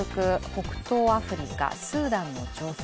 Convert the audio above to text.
北東アフリカ・スーダンの情勢。